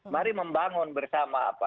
mari membangun bersama apa